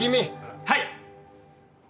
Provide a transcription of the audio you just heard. はい。